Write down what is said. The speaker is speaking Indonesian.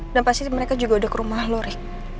dan pasti mereka juga udah ke rumah lo ri